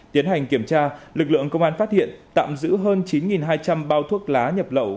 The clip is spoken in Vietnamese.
tiến hành kiểm tra lực lượng công an phát hiện tạm giữ hơn chín hai trăm linh bao thuốc lá nhập lậu